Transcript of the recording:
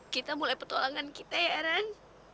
kita mulai petualangan kita ya kan